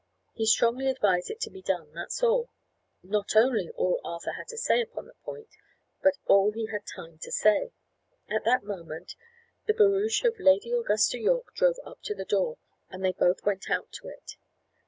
He strongly advises it to be done. That's all." Not only all Arthur had to say upon the point, but all he had time to say. At that moment, the barouche of Lady Augusta Yorke drove up to the door, and they both went out to it.